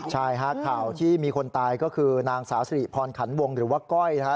ใช่ฮะข่าวที่มีคนตายก็คือนางสาวสิริพรขันวงหรือว่าก้อยนะฮะ